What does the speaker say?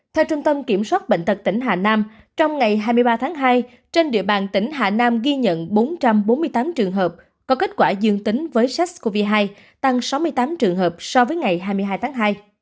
theo trung tâm kiểm soát bệnh tật tỉnh hà nam trong ngày hai mươi ba tháng hai trên địa bàn tỉnh hà nam ghi nhận bốn trăm bốn mươi tám trường hợp có kết quả dương tính với sars cov hai tăng sáu mươi tám trường hợp so với ngày hai mươi hai tháng hai